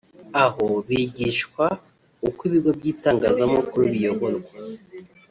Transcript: aho bigishwa uko ibigo by’itangazamakuru biyoborwa